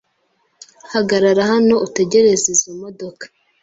Hagarara hano utegereze izo modoka